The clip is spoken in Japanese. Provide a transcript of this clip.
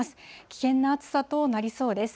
危険な暑さとなりそうです。